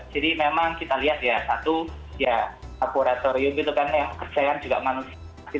jadi memang kita lihat ya satu ya laboratorium itu kan yang kerjaan juga manusia